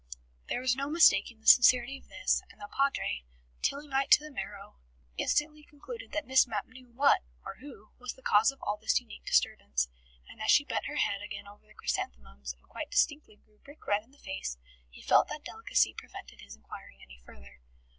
There was no mistaking the sincerity of this, and the Padre, Tillingite to the marrow, instantly concluded that Miss Mapp knew what (or who) was the cause of all this unique disturbance. And as she bent her head again over the chrysanthemums, and quite distinctly grew brick red in the face, he felt that delicacy prevented his inquiring any further.